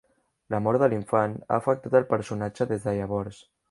La mort de l'infant ha afectat el personatge des de llavors.